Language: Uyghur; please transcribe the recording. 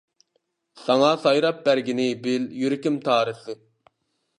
ساڭا سايراپ بەرگىنى بىل يۈرىكىم تارىسى.